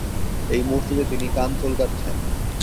এই মূর্তিতে তিনি কান চুলকাচ্ছেন।